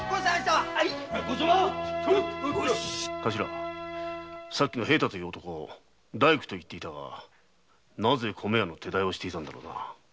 カシラさっきの平太という男大工といっていたがなぜ米屋の手代をしていたんだろうな？